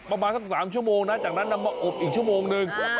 ประมาณสัก๓ชั่วโมงนะจากนั้นนำมาอบอีกชั่วโมงนึง